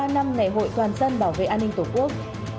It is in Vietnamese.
một mươi ba năm ngày hội toàn dân bảo vệ an ninh tổ quốc